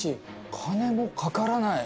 金もかからない。